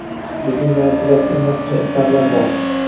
Bugun yaratilayotgan nasriy asarlar bor.